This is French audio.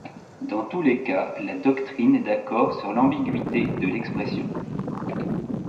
Dans tous les cas, la doctrine est d'accord sur l'ambiguïté de l'expression.